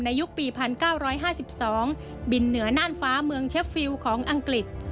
ยุคปี๑๙๕๒บินเหนือน่านฟ้าเมืองเชฟฟิลของอังกฤษ